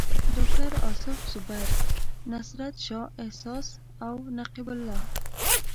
ډاکټر اصف زبیر، نصرت شاه احساس او نقیب الله.